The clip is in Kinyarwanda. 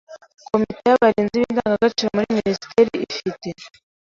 Komite y’abarinzi b’indangagaciro muri Minisiteri ifi te